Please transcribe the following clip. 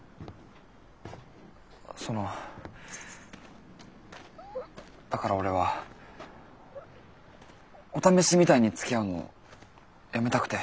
そのだから俺はお試しみたいにつきあうのやめたくて。